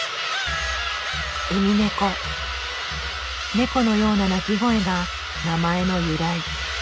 ネコのような鳴き声が名前の由来。